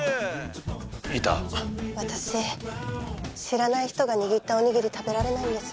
私知らない人が握ったおにぎり食べられないんです。